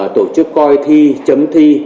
tổ chức coi thi chấm thi